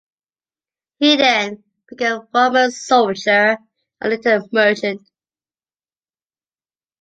He then became a Roman soldier and later merchant.